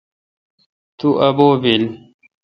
تو ابو° بیلہ۔